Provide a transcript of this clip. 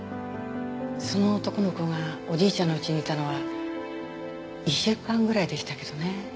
その男の子がおじいちゃんのうちにいたのは１週間ぐらいでしたけどね。